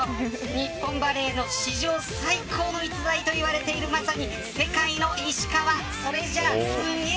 日本バレーの史上最高の逸材といわれているまさに世界のＩＳＨＩＫＡＷＡ。